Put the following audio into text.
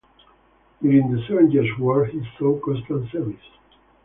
During the Seven Years' War he saw constant service.